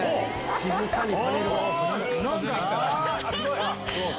静かに。